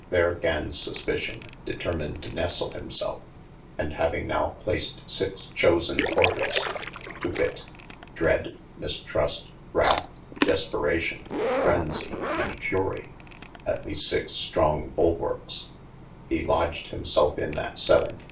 Ther gan Suspition, deter mine to nestle hym selfe, and having now placed sixe chosen porters, to wit, (Dread, Mistrust, Wrath, Desperation, Frensie, and Fury :) at these sixe straung Bulworkes, he lodged himselfe 423 THE ADVENTURES in that vii.